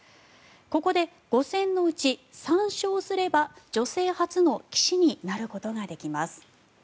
ここで５戦のうち３勝すれば女性初の棋士になることができます。